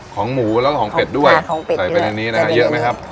ของหมูแล้วก็ของเป็ดด้วยของเป็ดใส่ไปในนี้นะฮะเยอะไหมครับ